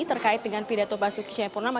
terkait dengan pidato basuki cahayapurnama